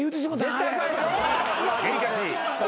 デリカシー。